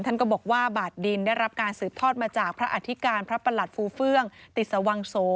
ท่านก็บอกว่าบาทดินได้รับการสืบทอดมาจากพระอธิการพระประหลัดฟูเฟื่องติสวังโส